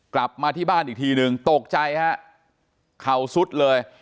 กลับมาที่บ้านอีกทีหนึ่งตกใจฮะเข่าสุดเลย